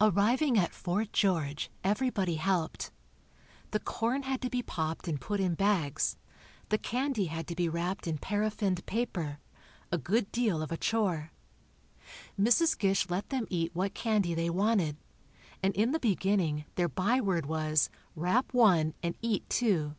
Arriving at Fort George, everybody helped. The corn had to be popped and put in bags; the candy had to be wrapped in paraffined paper, a good deal of a chore. Mrs. Gish let them eat what candy they wanted, and in the beginning their by word was "Wrap one and eat two."